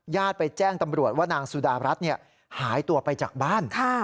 ไปแจ้งตำรวจว่านางสุดารัฐหายตัวไปจากบ้าน